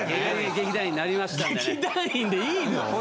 劇団員でいいの？